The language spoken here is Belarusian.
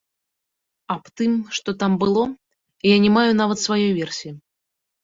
Аб тым, што там было, я не маю нават сваёй версіі.